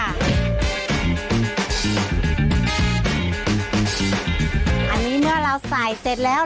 อันนี้เมื่อเราใส่เสร็จแล้ว